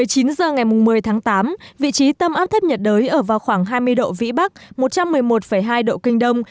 hồi chín giờ ngày một mươi tháng tám vị trí tâm áp thấp nhiệt đới ở vào khoảng hai mươi độ vĩ bắc một trăm một mươi một hai độ kinh đông